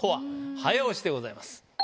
早押しでございます。